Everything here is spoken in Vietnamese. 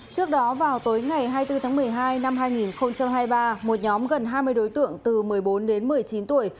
trước đó vào tối ngày hai mươi bốn tháng một mươi hai năm hai nghìn hai mươi ba một nhóm gần hai mươi đối tượng từ một mươi bốn đến một mươi chín tuổi